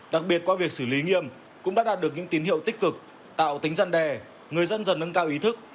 đặc biệt qua việc xử lý nghiêm cũng đã đạt được những tín hiệu tích cực tạo tính dân đề người dân dần nâng cao ý thức